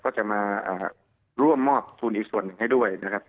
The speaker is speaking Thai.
ก็จะมาร่วมมอบทุนอีกส่วนหนึ่งให้ด้วยนะครับ